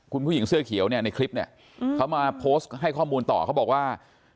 คุณผู้หญิงเสื้อเขียวเนี่ยในคลิปเนี่ยเขามาโพสต์ให้ข้อมูลต่อเขาบอกว่า